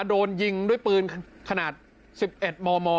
โดนยิงด้วยปืนขนาด๑๑มม